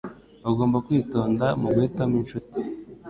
Ugomba kwitonda muguhitamo inshuti.